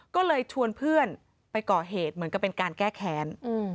ก็เลยชวนเพื่อนไปก่อเหตุเหมือนกับเป็นการแก้แค้น